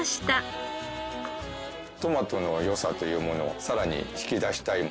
トマトの良さというものをさらに引き出したい。